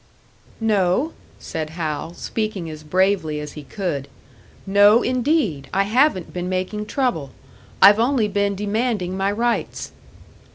"No," said Hal, speaking as bravely as he could "no indeed, I haven't been making trouble. I've only been demanding my rights."